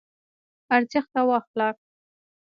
ارزښت او اخلاق